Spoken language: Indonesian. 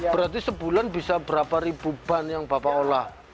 berarti sebulan bisa berapa ribu ban yang bapak olah